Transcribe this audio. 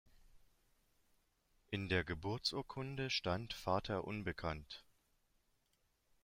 In der Geburtsurkunde stand "Vater unbekannt".